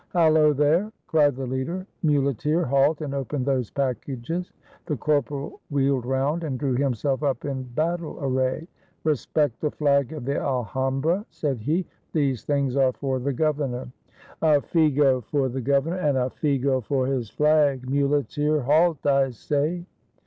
"Hallo, there!" cried the leader. "Muleteer, halt, and open those packages." The corporal wheeled round and drew himself up in battle array. "Respect the flag of the Alhambra," said he; "these things are for the governor." "A figo for the governor and a jigo for his flag. Muleteer, halt, I say."